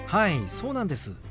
そうなんです。